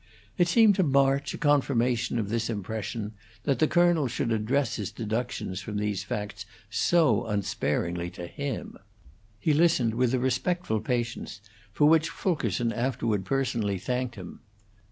It seemed to March a confirmation of this impression that the colonel should address his deductions from these facts so unsparingly to him; he listened with a respectful patience, for which Fulkerson afterward personally thanked him.